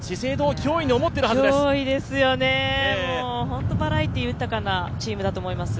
脅威ですよね、本当バラエティー豊かなチームだと思います。